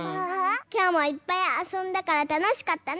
きょうもいっぱいあそんだからたのしかったね。